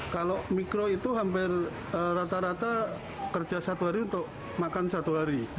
kalau mikro itu hampir rata rata kerja satu hari untuk makan satu hari